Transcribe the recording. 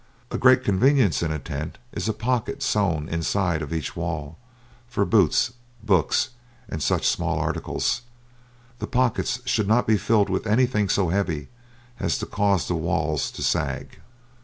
A great convenience in a tent is a pocket sewn inside of each wall, for boots, books, and such small articles. The pocket should not be filled with anything so heavy as to cause the walls to sag.